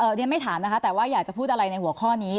เรียนไม่ถามนะคะแต่ว่าอยากจะพูดอะไรในหัวข้อนี้